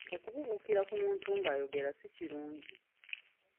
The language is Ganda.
Okubuubuukira ku muntu ng'ayogera si kirungi.